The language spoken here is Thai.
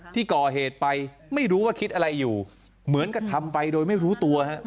ที่ก่อเหตุไปไม่รู้ว่าคิดอะไรอยู่เหมือนกับทำไปโดยไม่รู้ตัว